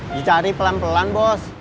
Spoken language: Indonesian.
dicari pelan pelan bos